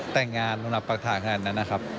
แต่งงานสำหรับปรักฐานขนาดนั้นนะครับ